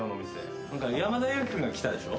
山田裕貴君が来たでしょ？